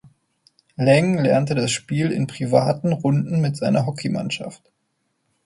Leng lernte das Spiel in privaten Runden mit seiner Hockeymannschaft.